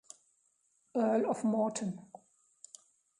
Earl of Morton.